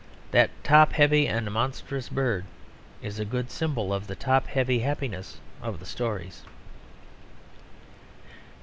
That top heavy and monstrous bird is a good symbol of the top heavy happiness of the stories.